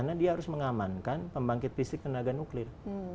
karena dia harus mengamankan pembangkit listrik tenaga nuklir